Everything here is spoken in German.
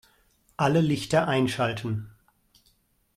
Alle Lichter einschalten